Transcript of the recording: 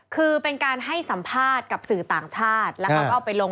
คือเป็นการให้สัมภาษณ์กับสื่อต่างชาติแล้วเขาก็เอาไปลง